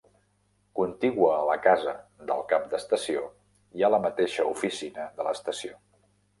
Contigua a la casa del cap d'estació hi ha la mateixa oficina de l'estació.